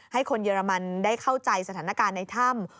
ให้คนเยอรมันได้เข้าใจสถานการณ์ในถ้ำ